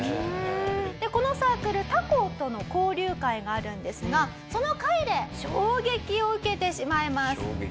でこのサークル他校との交流会があるんですがその会で衝撃を受けてしまいます。